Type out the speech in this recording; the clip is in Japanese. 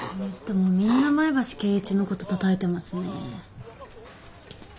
ネットもみんな前橋恵一のことたたいてますね。